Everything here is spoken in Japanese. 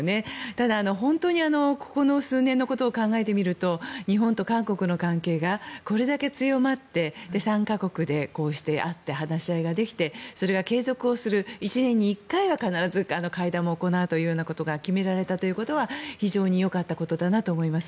ただ、本当にこの数年のことを考えてみると日本と韓国の関係がこれだけ強まって３か国でこうして会って話し合いができてそれが継続をする１年に１回は必ず会談も行うということが決められたということは非常によかったことだなと思います。